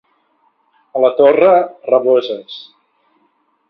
A la Torre, raboses.